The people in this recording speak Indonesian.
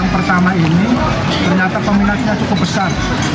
yang pertama ini ternyata peminatnya cukup besar